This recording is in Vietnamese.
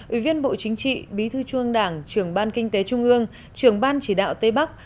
ủy viên bộ chính trị bí thư trung ương đảng trưởng ban kinh tế trung ương trưởng ban chỉ đạo tây bắc